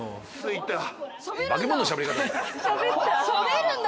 しゃべるんだ。